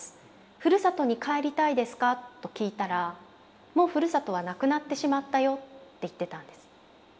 「ふるさとに帰りたいですか」と聞いたら「もうふるさとはなくなってしまったよ」って言ってたんです。